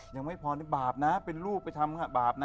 ยังไม่พอนี่บาปนะเป็นรูปไปทำบาปนะ